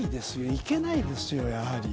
行けないですよ、やはり。